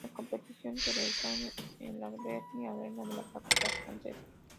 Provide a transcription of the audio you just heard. Las competiciones se realizaron en la Bercy Arena de la capital francesa.